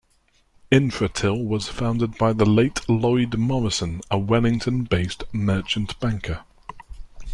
Infratil was founded by the late Lloyd Morrison, a Wellington-based merchant banker.